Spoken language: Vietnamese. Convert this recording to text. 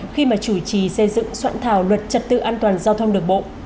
khi mà chủ trì xây dựng soạn thảo luật trật tự an toàn giao thông đường bộ